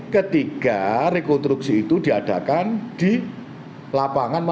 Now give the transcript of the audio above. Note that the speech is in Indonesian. ketiga rekonstruksi itu diadakan di lapangan